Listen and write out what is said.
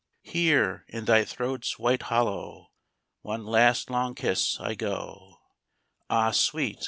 VI Here in thy throat's white hollow One last long kiss. I go. Ah, Sweet!